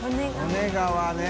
利根川ね。